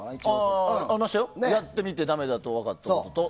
やってみてだめだと分かったことと。